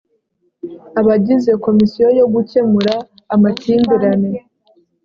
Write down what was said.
abagize komisiyo yo gukemura amakimbirane